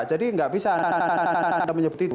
jadi nggak bisa anda menyebut itu